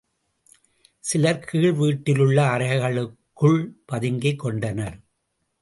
சிலர் கீழ் வீட்டிலுள்ள அறைகளுக்குள் பதுங்கிக் கொண்டனர்.